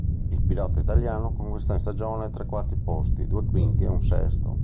Il pilota italiano conquistò in stagione tre quarti posti, due quinti e un sesto.